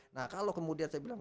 nah kalau kemudian saya bilang